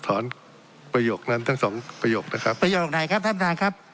ประโยคนั้นทั้งสองประโยคนะครับประโยคไหนครับท่านประธานครับ